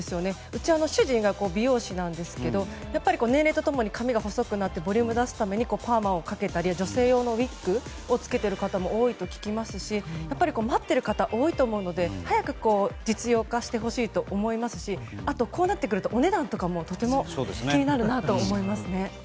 うちは主人が美容師なんですけどやっぱり年齢と共に髪が細くなってボリュームを出すためにパーマをかけたり女性用のウィッグを着けている方も多いと聞きますし待っている方は多いと思うので早く実用化してほしいと思いますし、こうなってくるとお値段とかも気になるなと思いますね。